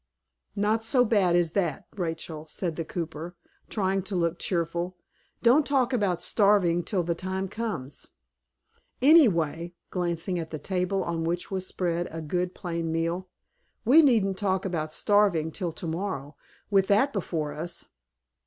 "Not so bad as that, Rachel," said the cooper, trying to look cheerful; "don't talk about starving till the time comes. Anyhow," glancing at the table on which was spread a good plain meal, "we needn't talk about starving till to morrow, with that before us.